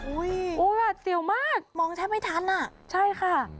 อุ๊ยอุ๊ยสิวมากมองแทบไม่ทันอ่ะใช่ค่ะ